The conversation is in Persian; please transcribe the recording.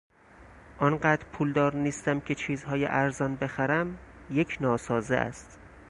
آنقدر پولدار نیستم که چیزهای ارزان بخرم یک ناسازه است.